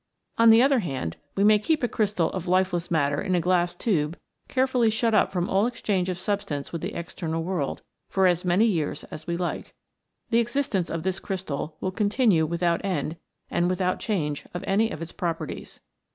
On the other hand, we may keep a crystal of lifeless matter in a glass tube carefully shut up from all exchange of substance with the external world for as many years as we like. The existence of this crystal will continue without end and without change of any of its properties.